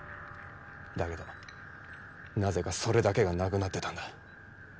だけどなぜかそれだけがなくなってたんだ。